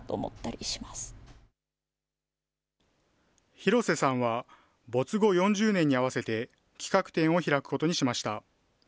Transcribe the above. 広瀬さんは、没後４０年に合わせて企画展を開くことにしました。